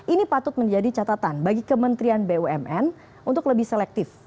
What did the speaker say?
ini patut menjadi catatan bagi kementerian bumn untuk lebih selektif